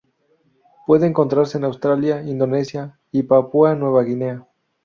Puede encontrarse en Australia, Indonesia y Papúa Nueva Guinea.